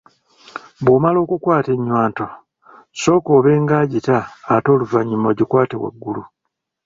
Bw’omala okukwata ennywanto, sooka obe nga agita ate oluvannyuma ogikwate waggulu.